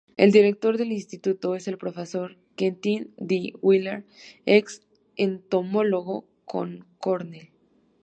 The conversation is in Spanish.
El director del instituto es el profesor Quentin D. Wheeler, ex entomólogo en Cornell.